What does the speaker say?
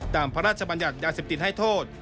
ตามพระราชบัญญาณยาเสพติดให้โทษ